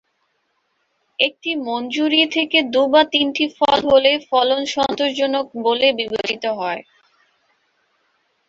একটি মঞ্জরি থেকে দু বা তিনটি ফল হলেই ফলন সন্তোষজনক বলে বিবেচিত হয়।